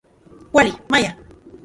Kuali, maya.